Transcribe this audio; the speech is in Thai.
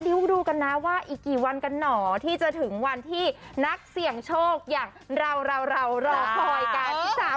ดูกันนะว่าอีกกี่วันกันหนอที่จะถึงวันที่นักเสี่ยงโชคอย่างเราเรารอคอยกัน